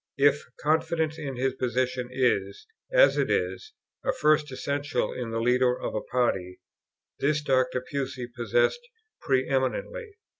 If confidence in his position is, (as it is,) a first essential in the leader of a party, this Dr. Pusey possessed pre eminently.